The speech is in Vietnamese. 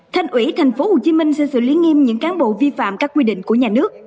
thành ủy tp hcm xin sự lý nghiêm những cán bộ vi phạm các quy định của nhà nước